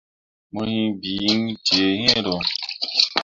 Mo hiŋ bii iŋ dǝyeero.